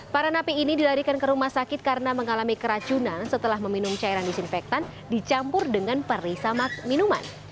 para napi ini dilarikan ke rumah sakit karena mengalami keracunan setelah meminum cairan disinfektan dicampur dengan perisamak minuman